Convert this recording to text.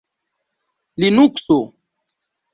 linukso